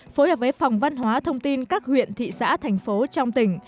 phối hợp với phòng văn hóa thông tin các huyện thị xã thành phố trong tỉnh